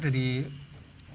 jadi ini juga pr